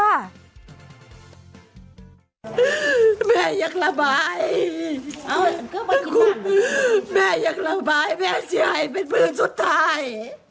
แม่อย่างละบายแม่ว่าแม่ที่ให้เป็นผืนสุดท้าย